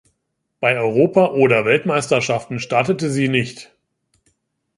Bei Europa- oder Weltmeisterschaften startete sie nicht.